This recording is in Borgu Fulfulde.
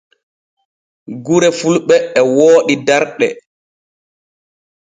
Gure fulɓe e wooɗi darɗe.